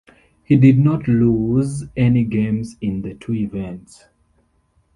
He did not lose any games in the two events.